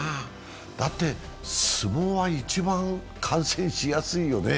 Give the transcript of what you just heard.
だって、相撲は一番感染しやすいよね。